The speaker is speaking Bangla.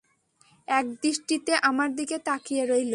একদৃষ্টিতে আমার দিকে তাকিয়ে রইল।